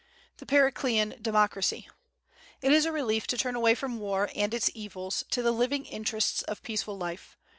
The Periclean Democracy. It is a relief to turn away from war and its evils to the living interests of peaceful life.